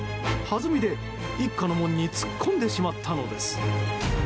はずみで一家の門に突っ込んでしまったのです。